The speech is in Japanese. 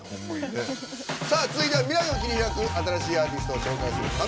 続いては未来を切り開く新しいアーティストを紹介する「ＣｏｍｉｎｇＵｐ！」。